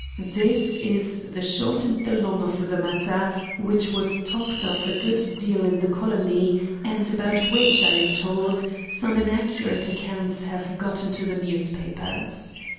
This is the short and the long of the matter, which was talked of a good deal in the Colony, and about which, I am told, some inaccurate accounts have got into the newspapers.